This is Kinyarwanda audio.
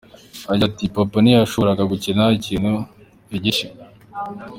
Agira ati “Papa ntiyashoboraga gukora ikintu igice.